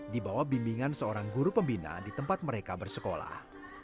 dibawah bimbingan seorang guru pembina di tempat mereka bersekolah